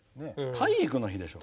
体育の日でしょ。